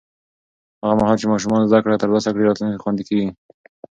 هغه مهال چې ماشومان زده کړه ترلاسه کړي، راتلونکی خوندي کېږي.